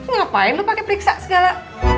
ngapain lo pake periksa segala